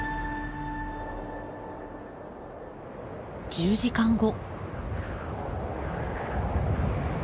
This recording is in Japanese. １０時間後。